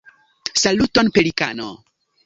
Saluton Pelikano!